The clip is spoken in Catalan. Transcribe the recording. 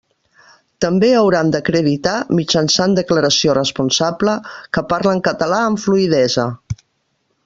També hauran d'acreditar, mitjançant declaració responsable, que parlen català amb fluïdesa.